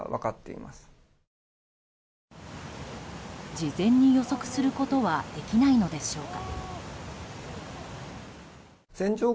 事前に予測することはできないのでしょうか？